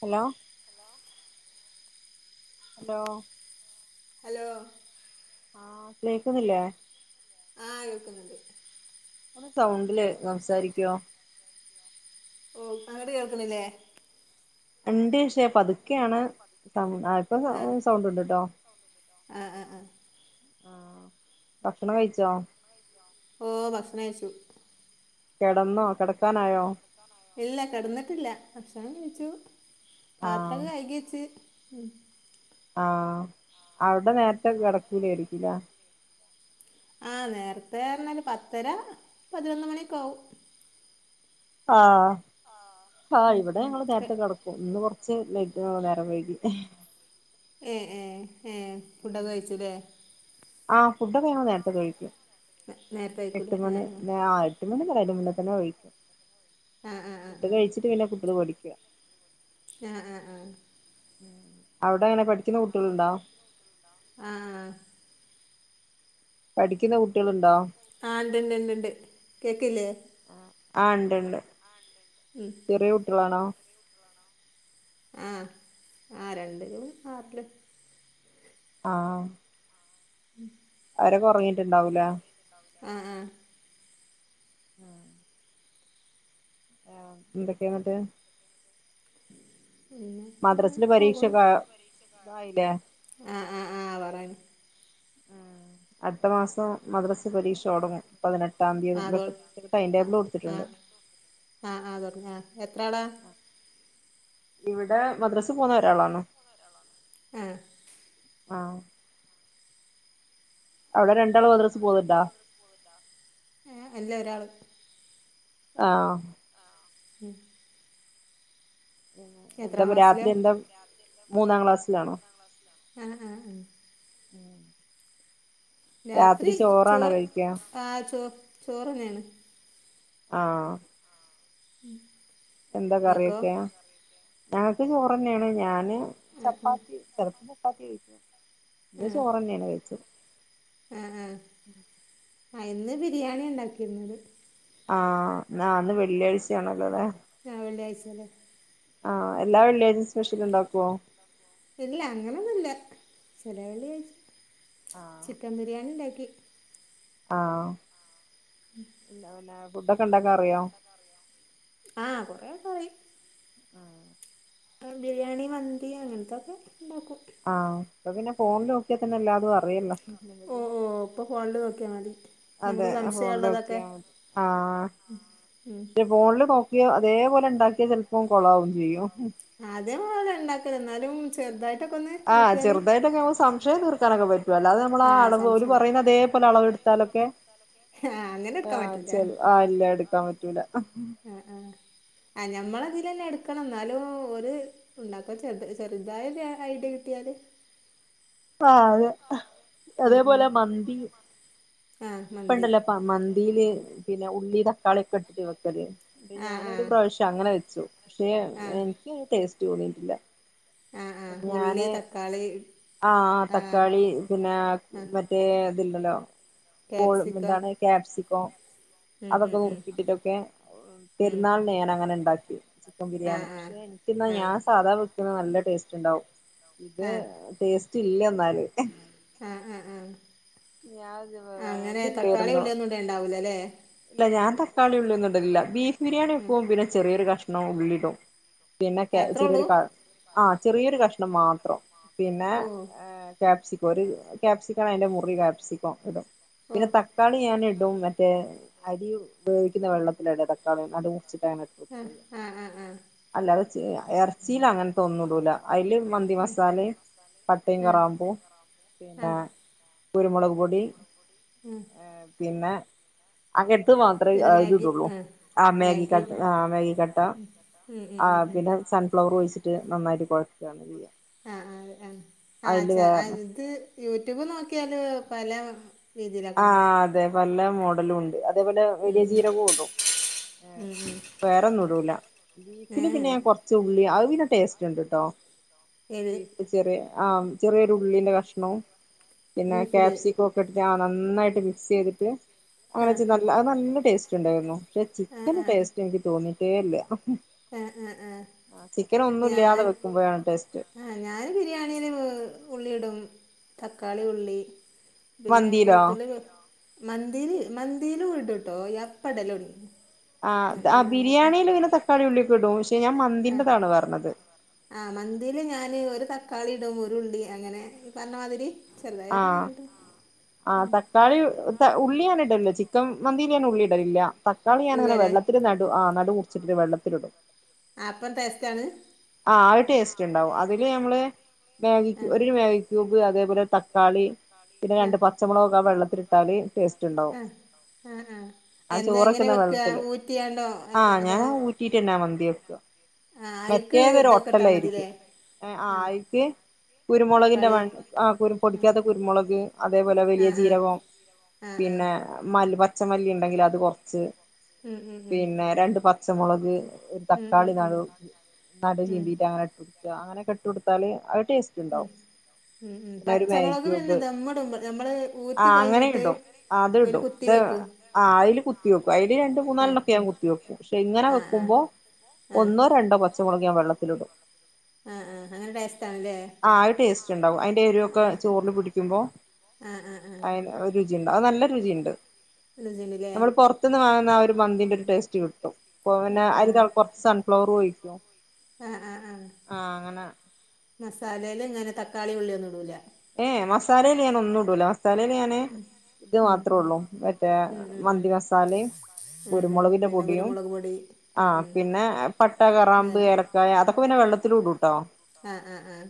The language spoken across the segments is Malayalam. ഹലോ ഹലോ ഹലോ ആഹ് കേക്കുന്നില്ലേ. ആഹ് കേക്കുന്നുണ്ട്. നല്ല സൗണ്ടില് സംസാരിക്കുവോ. ഓ അങ്ങോട്ട് കേൾക്കുന്നില്ലേ? ഉണ്ട് പക്ഷേ പതു ക്കെയാണ് സം ആ ഇപ്പം സൗ ആഹ് സൗണ്ട് ഉണ്ട് കേട്ടോ. ആഹ് ആഹ് ആഹ് ആഹ് ഭക്ഷണം കഴിച്ചോ? ഓ ഭക്ഷണം കഴിച്ചു. കിടന്നോ കിടക്കാനായോ ഇല്ല കിടന്നിട്ടില്ല ഭക്ഷണം കഴിച്ചു ആ പാത്രം കഴുകിവെച്ച് ഉം ആ അവിടെ നേരത്തെ കിടക്കൂലായിരിക്കുംല്ലേ ആ നേര നേരത്തെ പത്തര പതിനൊന്ന് മണിയൊക്കെയാവും. ആ ആ ഉം ഇവിടെ ഉം ഞങ്ങൾ നേരത്തെ കിടക്കും. ഇന്ന് കുറ [unintelligible] നേരം വൈകി ഏ ഏ ഏ ഫുഡൊക്കെ കഴിച്ചുലെ ആ ഫുഡൊക്കെ ഞങ്ങൾ നേരത്തെ കഴിക്കും. നേരത്തെ കഴിക്കുലേ ഹേ ഹേ അങ്ങനെഒന്നും അല്ല അയിന്റെ മുബതന്നെ കഴിയും ആഹ് ആഹ് ഫുഡ് ആഹ് കഴിച്ചിട്ട് പിന്നെ കുട്ടികൾ പഠിക്കു ഒക്കെ [unintelligible] ആ ആ ആ മ് അവടെ എങ്ങനെ പഠിക്കുന്ന കുട്ടികള്ണ്ടോ? ആ പഠിക്കുന്ന കുട്ടികളുണ്ടോ ആഹ് ഉണ്ടുണ്ടുണ്ടുണ്ട് കേൾക്കുന്നില്ലേ ആ ഉണ്ടുണ്ട് ചെറിയ കുട്ടികളാണോ ആഹ് ആഹ് രണ്ടിലും [unintelligible] ആഹ് അവരൊക്കെ ഒറങ്ങീട്ടുണ്ടാവൂലേ ആഹ് ആഹ് ആഹ് ആഹ് എന്തൊക്കയാ ഇങ്ങട്ട് പിന്നെ അങ്ങനെ മദ്രാസെല് പോകണു പരീക്ഷക്കേ ആഹ് ഇതായില്ലേ ആഹ് ആഹ് പറേണ് ആഹ്‌ അടുത്ത മാസം മദ്രസെ പരീക്ഷ തൊടങ്ങും ആഹ് തൊ ആഹ് കൊടുത്തിട്ടുണ്ട് ആഹ് ആഹ് ആ തൊടങ്ങ ആഹ് എത്രാളാ ഇവിടെ മദ്രാസ് പോവുന്ന ഒരാളാണോ ആഹ് ആഹ് അവിടെ രണ്ടാള് മദ്രസ പോന്നിണ്ടാ ഏഹ് ഇല്ല ഒരാള് ആഹ് മ് എന്താപ്പാ ക്ലാസ്സിലാ രാത്രി എന്താ? മൂന്നാം ക്ലാസ് സിലാണോ? ആഹ് ആഹ് അഹ് ഉം രാത്രി ചോറ് കഴിക്കാ ആ ചോ ചോറ്ന്നെയാണ്. ആഹ് മ് എന്താ കറി വെയ്ക്കാ? ഞങ്ങക്ക് ചോറ്ന്നെയാണ്. ഞാന് ആഹ് ആഹ് ചപ്പാത്തി ചെലപ്പോ [unintelligible] ഇന്ന് ആഹ് ചോറ്ന്നെയാണ് കഴിച്ചത്. ആഹ് ആഹ് ആഹ് ഇന്ന് ബിരിയാണിയാ ഉണ്ടാക്കിരുന്നത്. ആഹ് ന്നാ ഇന്ന് വെള്ളിയാഴ്ചയാണലോല്ലേ? ആഹ് വെള്ളിയാഴ്ചല്ലേ? ആഹ് എല്ലാ വെള്ളിയാ ഇത് സ്പെഷ്യൽ ഉണ്ടാക്കുവോ? ഇല്ല അങ്ങനൊന്നുമില്ല [unintelligible] ചിക്കൻ ബിരിയാണി ഇണ്ടാക്കി എ ആ ഇല്ലന്ന ഫുഡൊക്കെ ഉണ്ടാക്കാ അറിയോ ആഹ് കൊറെ പറയും ആ ആ ബിരിയാണി മന്തി അങ്ങനത്തൊക്കെ ഉണ്ടാക്കും ആഹ് അപ്പൊ പിന്നെ ഫോണിൽ നോക്കിയാ തന്നെ എല്ലാതും ഓ ല്ലോ ഓ ഇപ്പോൾ ഫോണിൽ നോക്കിയാൽ മതി അതെ നമുക്ക് ഫോണില് സംശയമുള്ളതൊക്കെ നോക്കിയ മതി ആ ഉം. ഉം. ഫോണില് നോ അതേപോലെ ഉണ്ടാക്കിയാ ചെലപ്പം കൊളാവും ചെയ്യും ആദ്യം അള ഉണ്ടാക്കല എന്നാലും ചെറുതായിട്ട് ആഹ് ചെറുതായിട്ടൊക്കെ നമ്മു സംശയം തീർക്കാനൊക്കെ പറ്റും അല്ലാതെ നമ്മള ആ അളവ് പറയുന്ന അതേപലെ അളവ്ടു താലൊക്കെ ആ അങ്ങനെ എടുക്കാൻ ആ പറ്റൂല ചരി ആ ഇല്ല എടുക്ക ക്കാൻ പറ്റൂല്ല ആ ആ ആ ഞമ്മൾ അതിൽന്നെ എടുക്കണം ന്നാലും ഒരു ഉണ്ടാക്കോ ചെറു ചെറുതായ ഐഡിയ കിട്ടിയാല് ആ അതെ ഉം അതേപോലെ മന്തി ആ ഇപ്പ മന്തി ഇണ്ടല്ലേ മ ഇയില് പിന്നെ ഉള്ളി തക്കാളിയൊക്കെ ഇട്ടിട്ട് വെക്കല് ആ ആ ഞാനൊരു പ്രാവശ്യം അങ്ങനെ വെച്ചു പക്ഷെ ആ എനക്ക് ടേസ്റ്റ് തോന്നിയിട്ടില്ല ആ ആ ഉള്ളി ഞാന് തക്കാളി ആ തക്കാളി പിന്നെ ആ മറ്റേ ത്ണ്ടല്ലോ ക്യാപ്സിക്കം എന്താണ് ക്യാപ്സിക്കം ഉം അതൊക്കെ ഉം ഉം നുറുക്കിയിട്ടട്ടൊക്കെ ഉം പെരുന്നാൾനേ അങ്ങനെ ഇണ്ടാക്കി ആ ബിരിയാണി ആ പക്ഷെ എനിക്കിന്ന് ആ ഞാൻ സാധാ വെക്ക നല്ല ടേസ്റ്റ് ട്ട്ണ്ടാവും ഇത് ടേസ്റ്റ് ഇമാ ആഹ ആഹ ആഹ ഞാൻ അങ്ങനെ തക്കാളി വേണ്ടില്ലായിരുന്നു ഉള്ളിയൊന്നും ഇണ്ട് ഉണ്ടാവൂലല്ലേ ഇല്ല ഞാൻ തക്കാളി ഉള്ളയൊന്നിടില്ല ബീഫ് ബിരിണിവെക്കും പിനെ ചെറിയൊരു കഷ് ഉണോ ഉള്ളി ദോ പിന്നൊക്കെ അത്രേ ഉള്ളൂ ചെറിയൊരു കം ആ ചെറിയൊരു കഷ്ണം മാത്രം പിന്നെ ഓ കാപ്സി ഒരു കാക്പ്സിക്കണ് അതിന്റെ മുറി കാപ്സിക്കോ ഇടോ ഓ പിനെ തക്കാളി ഞാന് [unintelligible] മറ്റേ അരി ഉപയോഗിക്കുന്ന വെള്ളത്തില്ലടാ തക്കാളടു ആ [unintelligible] ആ ആ ആ അല്ലാതെ എറച്ചില് അങ്ങനത്തോന്നും ഇടൂല. അയില് മന്തി മസാലേം, പട്ടയും, കറാമ്പു, ആ പിന്നെ കുരുമുളക് പൊടി ആ ആ ഏഹ് പിന്നെ [unintelligible] മാത്രമേ പിന്നെ ഇത് മാഗി ഇടുള്ളൂ. ആഹ് ആ മാഗി ക ആ മേഗിക്കട്ട് മാഗി കട്ട ആ മേഗിക്കട്ടാ ഉം ഉം ഉം ഉം പിന്നെ സൺഫ്ലവർ ഒഴിച്ചി നന്നായിട്ട് കൊയക്കാണ് ചെയ്യ. ആ ഹ് ആഹ് ആഹ് വേറെ ആഹ് അത് യൂട്യൂബ് നോക്കിയാല് പല രീതിയിലാ ആഹ് കാണാ അതെ പലാ മോഡലുഉണ്ട്. അതേപോലെ ഉം വലിയ ഉം ജീരകോം ഇടും. ഉം ഉം വേറെന്നും ഇടൂല. ബീഫിൽ ഏഹ് പിന്നെ കുറച്ച് ഉള്ളി ത് പിന്നെ ടേസ്റ്റ് ഉണ്ട്ട്ടോ ഏത് വീട്ട് ചെറിയ ആഹ് ചെറിയൊരു ഉള്ളിന്റെ കഷ്ണും പിന്നെ ബീഫില് കപ്സിക്കോക്ക ഇട്ടിട്ട് ആ നന്നായിട്ട് മിക്സ് ചെയ്തിട്ട് അങ്ങനെ ആഹ് വെച്ച നല്ല അത്‌ നല്ല ടേസ്റ്റ് ഉണ്ടായിരുന്നു പക്ഷെ ചിക്കന് ടേസ്റ്റ് എനിക്ക് തോന്നി ഏഹ് ഇല്ല്യ ആ ആ ആ ഒന്നും ഇല്ലാതെ ഞാൻ വെക്കുമ്പോഴാണ് ടേസ്റ്റ് ആ ഞാന് ബിരിയാണിൽ ഉള്ളിടും തക്കാളി ഉള്ളി പിന്നെ മന്തിയിലോ വെളുത്തല്ല മന്തിനി മന്തിരി ഉടട്ടോ യാപ്പടലുണ്ട് ആഹ് ആ ബിരിയാണിൽ പിങ്ങനെ തക്കാളി ഉള്ളി കട പക്ഷെ ഞാൻ മന്തിറതാണ് പറഞ്ഞത് ആഹ മന്തിൽ ഞാാന് ഒരു തക്കാളി ഇടും ഒരുരു ഉള്ളി അങ്ങനെ പറഞ്ഞമാതിരി ആഹ ആ തക്കാളി ഉള്ളിയൻ ഇടലില്ല ചിക്കൻ മന്തിയിനിൻ ഉള്ളിടലില്ല തക്കാളി ഇല്ലല്ലേ ഞാനങ്ങനെള്ളത്തിൽ നടു ആ നടു വച്ചിട്ട് വെള്ളത്തിലിടും അപ്പം ടേസ്റ്റ് ആണ് ആ ആ ഒരു ടേസ്റ്റ് ഉണ്ടാവും അതില് ഞമ്മള് മക്ക് ആഹ് ഒരു മേഗിക്ക അതേപോലെ തക്കാളി പിന്നെ രണ്ട ആഹ് പച്ചമുളകൊക്കെ ആ വെള്ളത്തിട്ടാല് ടേസ്റ്റ് ഉണ്ടാവും ആഹ് ആഹ് ആഹ് ആ എന്താ ചോറ് എങ്ങനെ വക്കുന്ന വെക്കുക വെള്ളത്തില് ഊറ്റിയാണ്ടോ ആഹ അതോ അതോ ഞനാ ഊറ്റിട്ടന്നാ മന്തി വെക്ക ആ അയിക്ക് റ്റഏതൊരു ഇതൊക്കെ ഇട്ടാൽ ഒട്ടലായിരിക്കും മതില്ലേ ആ ആയിക്ക് കുരുമുളകിൻ്റെ തക്കാളി വണ് ആ കുരു പൊടിക്കാത്ത കുരുമുളക് അതേപോലെ മുളകിൻ്റെ വ ആ വെളുത്തുള്ളി വലിയ ആ ആ ജീരകവും ആ ആ പിന്നെ മ പച്ചമല്ലി ഉണ്ടെങ്കിൽ അത് കുറച്ച് ഉം ഉം ഉം പിന്നെ രണ്ട പത്ത് ച്ചമുളക് ഒരു ഉം തക്കാളി ഉം ഉം നാണ് നാട്ട ഉം ചീന്തിട്ടാങ്ങനട്ട അങ്ങനെ കെട്ടി കൊടുത്താല് റ്റ്ണ്ടാവും ഉം ഉം പിന്നെ ഒരു മാഗി പച്ചമുളക് പിന്നെ ക്യൂബ് ദമ്മിടുമ്പോൾ നമ്മൾ ആ ഊറ്റി അങ്ങനെ കഴിഞ്ഞിട്ട് ഇടും അത് ഒരു ഇടും കുത്തി ഇ വെക്കും അതില് കുത്തി വെക്കും അതില് രണ്ട മൂന്നാലിനൊക്കെ ഞാൻ കുത്തി വെക്കും പക്ഷെ ഇങ്ങനെ ആ ആ വെക്കുമ്പോ ആ ഒന്നോ രണ്ടോ പ പച്ചമളക്ഞാൻ വെള്ളത്തിലിടും ആഹ ആഹ് അങ്ങനെ രയസ്ഥ ആണല്ലേ ആ അത് ടേസ്റ്റ് ഉണ്ടാവും ക്കെ ചോറില് പിടിക്കുമ്പോ ആ ആ ആ അന് ഒരു രുചിണ്ട് അത് നല്ലരുചിയുണ്ട് രുചിയുണ്ടല്ലേ നമ്മൾ പുറത്തന്ന് വാങ്ങുന്ന ആ ഒരു മന്തിന്റെ ഒരു ടേസ്റ്റ് റ്റ്കിട്ടും അപ്പ പിന്നെ അരിൻ്റെ ഒപ്പം കുറച്ച് സൺഫ്ലവർ ഒഴിക്കും ആഹ ആ ആ മസാലേൽ ഇങ്ങനെ തക്കാളി ഉള്ളി ഒന്നും ഇടൂ ലെ ഏ മസാലേൽ ഞാൻ ഒന്നും ഇടൂല മസലേൽ ഞാൻ ഉം ഇത് മാത്രേ ഉം ഉള്ളൂ മറ്റേ ഉം ഉം ഉം മന്തി മസാലിം ഉം ഉം കുരുമുളകിന്റെ പിന്നെ പൊടിയും കുരുമുളക് പൊടി ആ ഉം ഉം പിന്നെ പട്ട കറാമ്പ് ഏലക്കായ അതൊക്കെ പിന്നെ വെള്ള ലു ഇടുട്ടോ ആഹ ആഹ ആഹ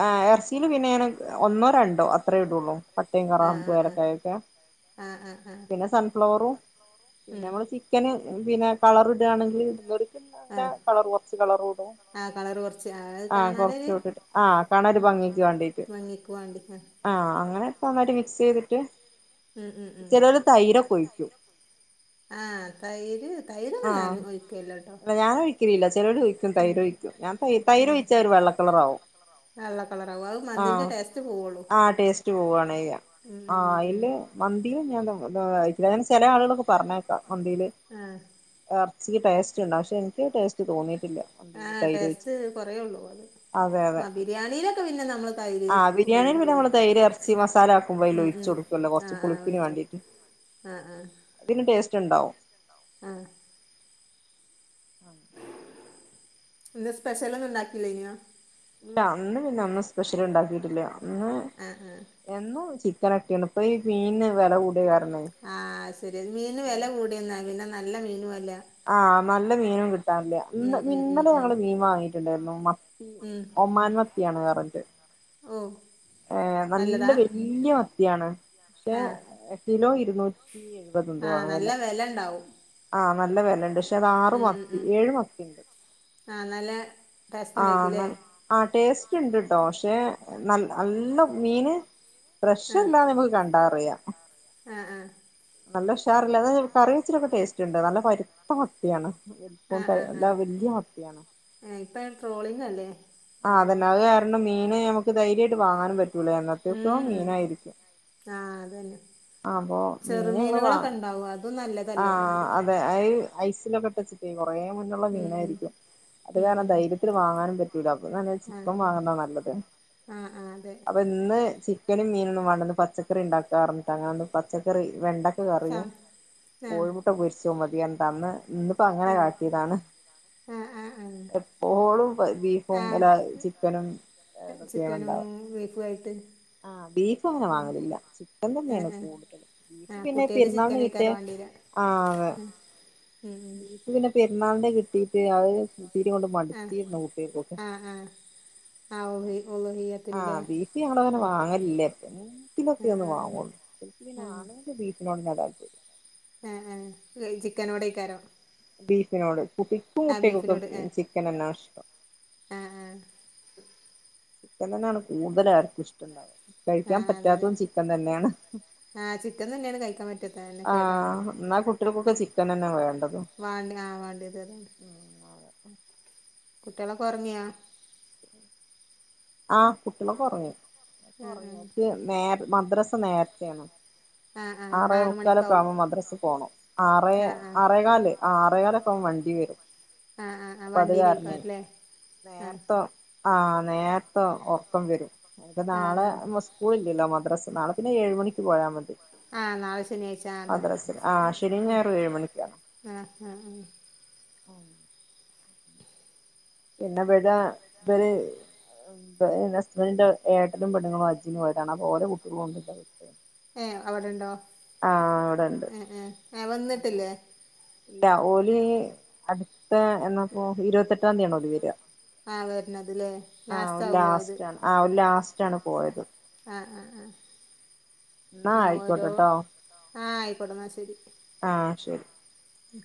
ഹ എർച്ചിൽ പിന്നെ ഞാ ഒന്നോ രണ്ടോ അത്രേ ഇടൊള്ളൂ പട്ടിം ആ കറാമ്പും ഏലക്കായൊക്കെ ആ ആ ആ ആ പിന്നെ സൺഫ്ലവറും പിന്നെ ഉം നമ്മള് ചിക്കന് പിന്നെ കളർ ഇടാണെങ്കിൽ പിന്നെ ആ അങ്ങനെ കളർ കുറച്ച് കളർ ഇടും ആ കളറ് കുറച്ച് ആ അത് ആഹ കൊറച്ച് കാണാനൊരു കൂട്ടിട്ട് ആഹ കാണാ ഒരു ഉം ഭംഗിക്ക് വേണ്ടീട്ട് ഭംഗിക്ക് വാണ്ടിട്ട് ഒക്കെ ഒന്നായിട്ട് മിക്സ്‌യ്തിട്ട് ഉ ഉ ഉ ആഹ തൈര് തൈരോന്നും ഞാൻ ഒഴിക്കലില്ലട്ടോ ക്കലില്ല ചേലോർ ഒഴിക്കും തൈരൊഴിക്കും ഞാൻ തൈര് തൈര് ഒഴിച്ചാൽ ഒരു വെള്ളകളർ ആകും വെള്ള കളറാവും അത് ആ മന്തിൻ്റെ ടേസ്റ്റ് പോവുള്ളൂ ആ ടേസ്റ്റ് പോകാണ് ചെയ്യാ ഉം ആ ഉം ഉം അയിൽ ഉം മന്തി ഞാൻ ഞാൻ ചില ആളുകളൊക്കെ പറഞ്ഞേക്കാം മന്തിയിൽ ആ ഇറച്ചിക്ക് ടേസ്റ്റ് ഉണ്ടാകും പക്ഷെ എനിക്ക് അത് ടേസ്റ്റ് തോന്നിട്ട് ട്ടില്ല ആഹ് തൈര് ഒഴിച്ചു ടേസ്റ്റ് കൊറേ ഉള്ളൂ അത് അതെ അതെ ആഹ് ബിരിയാണിയിലൊക്കെ പിന്നെ നമ്മള് തൈര് ആ ബിരിയാണിയിൽ പിന്നെ ഉപയോഗിക്കല്ലോ നമ്മൾ തൈര് ഇറച്ചി മസാല ആക്കുമ്പോ അയിൽ ഉം ഒഴിച്ച് ഉം കൊടുക്കല്ലോ കൊറച്ചു ആഹ് ആഹ് പുളിപ്പിന് വെച്ചു വേണ്ടിയിട്ട് ആഹ് ആഹ് പിന്നെ ടേസ്റ്റ് ണ്ടാവും ആഹ് ഇന്ന് സ്പെഷ്യലൊന്നും ഉണ്ടാക്കില്ലെയ്നിയോ ഇല്ല ഇന്ന് പിന്നെ ഒന്നും സ്പെഷ്യൽ ഉണ്ടാക്കിട്ടില്ല ആഹ ആഹ ക്കനാക്കിയാലോ ഇപ്പൊ ഏ മീനിന് വെല കൂടിയ കാരണം ആഹ ശരി മീന് വെല കൂടിയുന്നോ പിന്നെ നല്ല മീനും അല്ല ആഹ് നല്ല മീനും കിട്ടാനില്ല. ഉം ഇന്ന് ഉം ഉം ഇന്നലെ ഉം ഞങ്ങള് മീൻ വാങ്ങിട്ടുണ്ടായിരുന്നു മത്തി ഉം ഒമാൻ മത്തിയാണ് [unintelligible] ഓ ഏഹ് നല്ല നല്ലതാ വല്യ മത്തിയാണ് പക്ഷെ ആഹ് കിലോ ഇ [unintelligible] ആഹ് നല്ല വെല ഇണ്ടാവും. ആഹ് നല്ല വെല ഇണ്ട് ശ് [unintelligible] അത് ആറ് മത്തി ഉം ഏഴ് മത്തി ഇണ്ട്. ആഹ് നല്ല ടേസ്റ്റ് ആഹ് ഉണ്ടായിരിക്കൂല്ലേ നൽ ആഹ് ടേസ് [unintelligible] ശേ നൽ നല്ല മീന്. ഫ്രഷ് ആഹ് അല്ലാന്ന് നമുക്ക് കണ്ടാറിയാം. ആഹ് ആഹ് നല്ല ഉഷാറില്ല [unintelligible] കറി വെച്ചിട്ടൊക്കെ ടേസ്റ്റ് ഉണ്ട് നല്ല പരുത്ത മത്തിയാണ്. [unintelligible] വല്യ മത്തിയാണ് ഇപ്പെ ട്രോളിങ് അല്ലേ ആഹ് അപ്പോൾ അതഞ്ഞ അത് കാരണം മീന് ഞമുക്ക് ധൈര്യായിട്ട് വാങ്ങാനും പറ്റൂലേ. എന്നത്തേക്കും മീനായിരിക്കും ആ അതന്നെ ആഹ് അപ്പൊ മീന് ഞങ്ങള് വാ ചെറുമീനുകളൊക്കെ ഉണ്ടാവും അതും നല്ലതല്ല ആഹ് തോന്നുന്നുണ്ട് അതെ അയി ഐസിലൊക്കെ ഇട്ട് വെച്ചിട്ടേ കൊറേ മുന്നുള്ള ഉം, ഉം. മീനായിരിക്കും അത് ഉം, കാരണം ഉം. ധൈര്യത്തിൽ വാങ്ങാനും പറ്റൂല അപ്പൊ ആ ചിക്കൻ വാങ്ങുന്നതാ നല്ലത് ആ ആ അതെ അപ്പൊ ഇന്ന് ക്കനും മീനൊന്നും വേണ്ടന്ന് പച്ചക്കറി ഇണ്ടാക്കാറ്ണ്ട് അങ്ങനെ ഒന്ന് പച്ചക്കറി വെണ്ട അറിയൂ സാം ആ കോഴിമുട്ട പൊരിച്ച് ചുമതിയൻ തന്ന് ഇന്നിപ്പോ അങ്ങനെ ആ കാട്ടിയതാണ് ആ ആ ആ എപ്പോളും പ്പ ബീഫും ആ അല്ല ചിക്കനും ചിക്കനും ഏതൊക്കെയണണ്ടാവ ബീഫും ആയിട്ട് ആഹ് ബീഫ് അങ്ങനെ വാങ്ങലില്ല ചിക്കൻ ആ തന്നെയാണ് ആ കൂടുതൽ ബീഫ് ആ പിന്നെ കുട്ടികൾക്ക് ചിക്കൻ പെരുന്നാളിന് കഴിക്കാറ് കിട്ടിയ വേണ്ടിയില്ല ആഹ് ഉം, ഉം, അതെ ഉം. [unintelligible] പിന്നെ ന്നാളന്റെ കിട്ടീട്ട് അത് യിടീ കൊണ്ട് ആ മടിത്തീരുന്നു കുട്ടിക്കോക്കെ ആ ആ ആ ഉള്ളി ആഹ് ഉള്ളിയത്തിനില്ലേ ബീഫ് ഞങ്ങളങ്ങനെ വാങ്ങലില്ല [unintelligible] ആ ക്കെ ആ ഒന്ന് വാങ്ങൂള്ളു വീട്ടില് ആ ആണുങ്ങൾക്ക് ബീഫിനോട് അത് ശരി ആഹ് ആഹ് ചിക്കനോടേയ്ക്കാരോ ബീഫിനോട് കുട്ടിക്കും കുട്ടികക്കൊക്കെ ചിക്കനന്നാ ഇഷ്ടം ആഹ് ആഹ്. ചിക്കൻ തന്നെയാണ് കൂടുതല് ആർക്കും ഇഷ്ടണ്ടാ ആ കഴിക്കാൻ അതെ അതെ പറ്റാത്തും ചിക്കൻ തന്നെയാണ് ആ ചിക്കൻ തന്നെയാണ് കഴിക്കാൻ പറ്റാത്തത് അതന്നെ കേടാണ് ആഹ് എന്നാ ഇക്ക ചൻന്ന വേണം വണ്ടി ആ വണ്ടിയത് അതാണ് ഉ കുട്ടികളൊക്കെ ഉറങ്ങിയാ ആ കുട്ടികളൊക്കെ ഉറങ്ങി ആ ഉറങ്ങിയിട്ട് നേർ മദ്രസ നേരത്തയാണ് ആ ആ ആ ആറേ ആറ് മുക്കാലൊക്കെ മണിക്കാവും ആവുമ്പോ മദ്രസിൽ പോണം ആറേ ആ ആ ആറേകല് ആറുകാലൊക്കെ ആകുമ്പം വണ്ടി വരും ആ ആ ആ അപ്പൊ അത് കാരണേ വണ്ടിയിലേക്കാല്ലേ ആവരലേ ആ നേർ ഉറക്കം വരും എനിക്ക് ആ ആ നാളെ സ്കൂള് ഇല്ലല്ലോ മക്ക നാളെ പിന്നെ ഏഴ് മണിക്ക് പോയാൽ മതി ആ നാളെ ശനിയാഴ്ച മദ്രസിൽ ആണല്ലേ ആഹ് ശനിയും ഞായറും ഏഴ് മണിക്കാണ് ആ ആ ഇന്ന് ഇവിടെ ഇവര് ഹസ്ബന്റിന്റെ ഏട്ടനും പെണ്ണുങ്ങളും ഹജ്ജിന് പോയിട്ടാണ് അപ്പോ ഓലെ കുട്ടികളും ഉണ്ടിവിടെ ഏ അവിടെണ്ടോ ആഹ് ഇവിടെണ്ട് ഏ ഏ അപ്പോ വന്നിട്ടില്ലേ ഇല്ല ഓലി അ എന്നപ്പോ ഇരുപത്തെട്ടാം തീയതി ആ വരണതലേ ആ ലാസ്റ്റ് ഓല് ആകും പോയത് ലാസ്റ്റ് ആണ് ആ ഓല് ലാസ്റ്റ് ആണ് പോയത് ആ ആ ആ എന്നാ ആ ഓരോ ആയിക്കോട്ടെട്ടോ ആ ആയിക്കോടു എന്നാ ശരി ആ ശരി ഉം